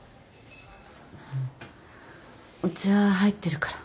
お茶入ってるから。